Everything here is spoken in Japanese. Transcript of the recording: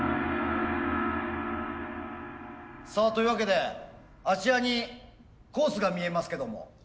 さあというわけであちらにコースが見えますけども。